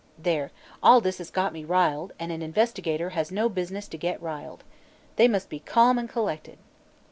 There! All this has got me riled, and an investigator has no business to get riled. They must be calm and collected."